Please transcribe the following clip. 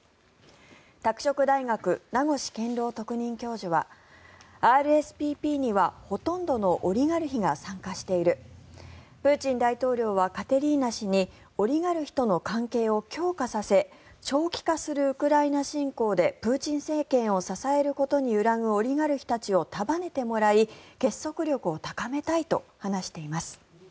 拓殖大学、名越健郎特任教授はＲＳＰＰにはほとんどのオリガルヒが参加しているプーチン大統領はカテリーナ氏にオリガルヒとの関係を強化させ長期化するウクライナ侵攻でプーチン政権を支えることに揺らぐオリガルヒたちを束ねてもらい結束力を高めたいと話しています。